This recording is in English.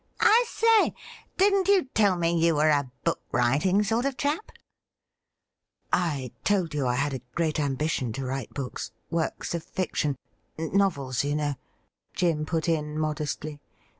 I say, didn't you tell me you were a book writing sort of chap .?'* I told you I had a great ambition to write books — works of fiction — novels, you know,' Jim put in modestly.